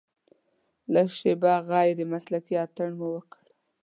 لږه شېبه غیر مسلکي اتڼ مو وکړ.